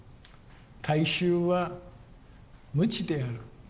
大衆は無知である。